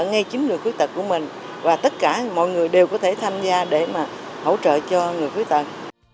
ngay chính người khuyết tật của mình và tất cả mọi người đều có thể tham gia để mà hỗ trợ cho người khuyết tật